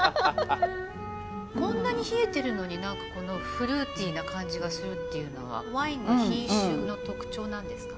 こんなに冷えてるのに何かこのフルーティーな感じがするっていうのはワインの品種の特徴なんですか？